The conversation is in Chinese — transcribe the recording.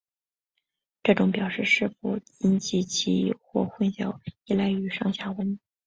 这种表示是否引起歧义或混淆依赖于上下文。